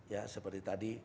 ya seperti tadi